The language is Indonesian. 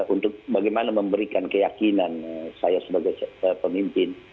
untuk bagaimana memberikan keyakinan saya sebagai pemimpin